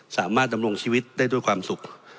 สามารถดำรงชีวิตได้ด้วยความสุข